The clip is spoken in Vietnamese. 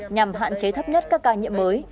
nhằm hạn chế thấp nhất các ca nhiễm mới